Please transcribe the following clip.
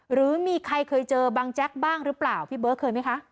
หรือมีใครเคยเจอบางแจ๊กบ้างหรือเปล่าพี่เบิร์ตเคยไหมคะ